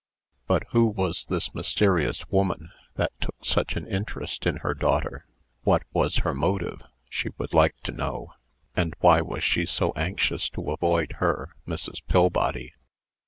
But who was this mysterious woman, that took such an interest in her daughter? What was her motive? she would like to know. And why was she so anxious to avoid her (Mrs. Pillbody)?